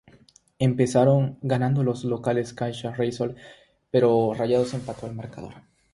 Empezaron ganando los locales Kashiwa Reysol, pero Rayados empató el marcador.